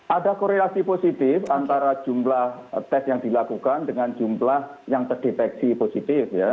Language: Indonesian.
ada korelasi positif antara jumlah tes yang dilakukan dengan jumlah yang terdeteksi positif ya